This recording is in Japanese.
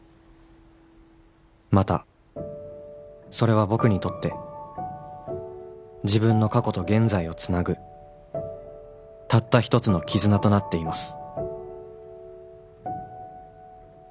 「またそれは僕にとって」「自分の過去と現在をつなぐ」「たった一つの絆となっています」